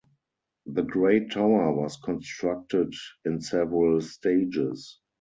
The Great Tower was constructed in several stages.